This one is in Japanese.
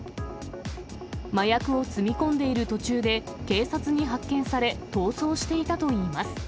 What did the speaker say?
麻薬を積み込んでいる途中で警察に発見され逃走していたといいます。